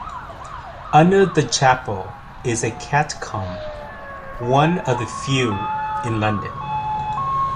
Under the chapel is a catacomb, one of the few in London.